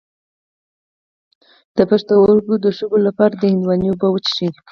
د پښتورګو د شګو لپاره د هندواڼې اوبه وڅښئ